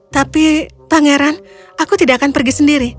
tapi pangeran aku tidak akan pergi sendiri